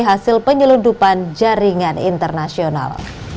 hasil penyelundupan jaringan internasional